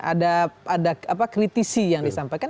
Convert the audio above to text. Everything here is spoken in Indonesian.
ada kritisi yang disampaikan